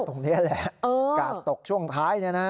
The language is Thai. ตรงนี้แหละกากตกช่วงท้ายเนี่ยนะ